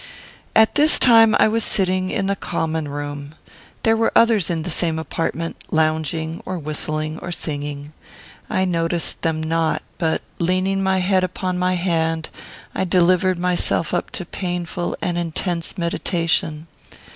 At this time I was sitting in the common room. There were others in the same apartment, lounging, or whistling, or singing. I noticed them not, but, leaning my head upon my hand, I delivered myself up to painful and intense meditation.